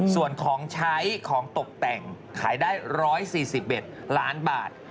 ส่วนของใช้ของตกแต่งขายได้๑๔๑ล้านบาท